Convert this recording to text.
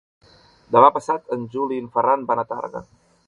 Demà passat en Juli i en Ferran van a Tàrrega.